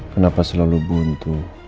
kenapa selalu buntu